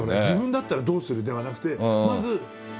「自分だったらどうする？」ではなくてまず。